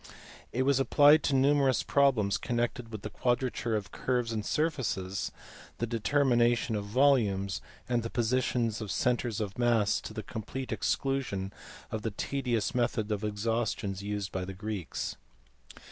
It was applied to numerous problems connected with the quadrature of curves and surfaces, the determination of volumes, and the positions of centres of mass to the com plete exclusion of the tedious method of exhaustions used by the Greeks.